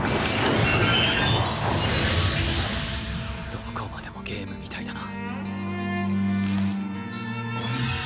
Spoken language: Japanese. どこまでもゲームみたいだな。